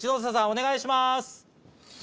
お願いします。